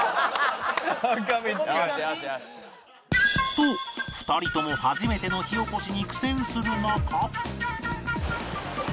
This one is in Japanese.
と２人とも初めての火おこしに苦戦する中